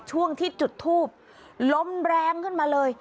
ช่วงที่จุดทูบลมแรงขึ้นมาเลย